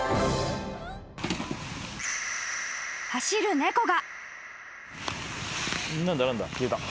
［走る猫が］